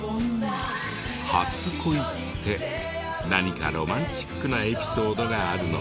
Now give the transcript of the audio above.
「はつこい」って何かロマンチックなエピソードがあるのかも。